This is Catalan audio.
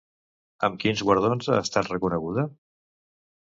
Amb quins guardons ha estat reconeguda?